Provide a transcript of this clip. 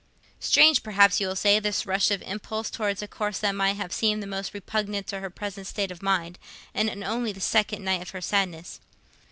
"Strange!" perhaps you will say, "this rush of impulse towards a course that might have seemed the most repugnant to her present state of mind, and in only the second night of her sadness!"